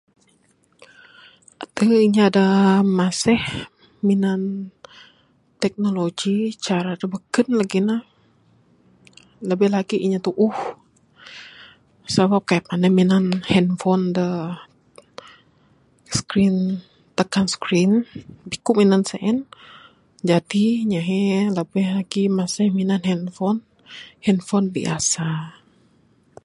Adeh inya da masih minan teknologi cara dak beken legi ne, lebih lagi inya tuuh sabab kai pandai minan handphone dak screen tekan screen biku minan sien. Jadi inya he lebih lagi minan handphone biasa.